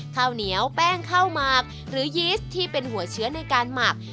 ข้าวเหนียวแป้งข้าวหมักหรือยีสที่เป็นหัวเชื้อในการหมัก